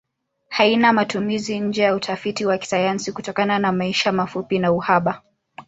Haina matumizi nje ya utafiti wa kisayansi kutokana maisha mafupi na uhaba.